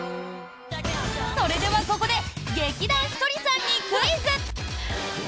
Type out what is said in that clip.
それではここで劇団ひとりさんにクイズ！